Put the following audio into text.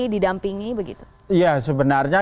didampingi begitu ya sebenarnya